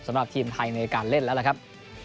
สำหรับทีมไทยในการเล่นแล้วล่ะครับ